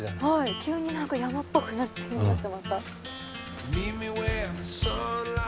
急に何か山っぽくなってきましたまた。